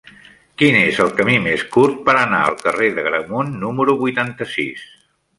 Quin és el camí més curt per anar al carrer d'Agramunt número vuitanta-sis?